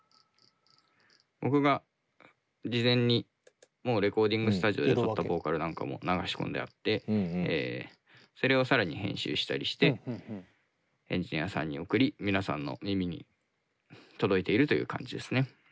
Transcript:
僕が事前にレコーディングスタジオでとったボーカルなんかも流し込んであってそれを更に編集したりしてエンジニアさんに送り皆さんの耳に届いているという感じですね。